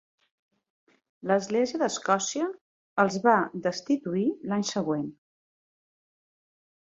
L'església d'Escòcia els va destituir l'any següent.